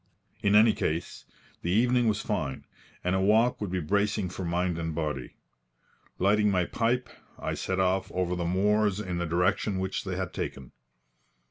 In any case, the evening was fine, and a walk would be bracing for mind and body. Lighting my pipe, I set off over the moors in the direction which they had taken.